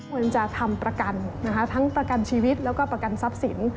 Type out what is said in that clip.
ควรจะทำประกันนะคะทั้งประกันชีวิตแล้วก็ประกันทรัพย์สิน